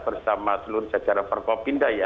bersama seluruh jajaran forkopinda ya